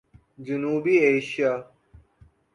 جنوبی ایشیا